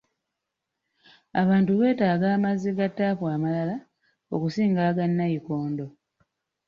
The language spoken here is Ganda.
Abantu beetaaga amazzi ga ttaapu amalala okusinga aga nayikondo.